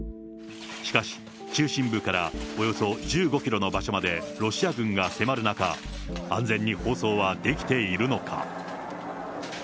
しかし、中心部からおよそ１５キロの場所までロシア軍が迫る中、安全に放送はできているのか。